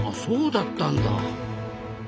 そうだったんだ。